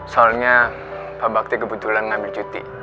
soalnya pak bakti kebetulan ngambil cuti